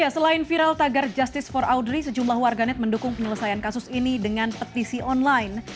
selain viral tagar justice for audrey sejumlah warganet mendukung penyelesaian kasus ini dengan petisi online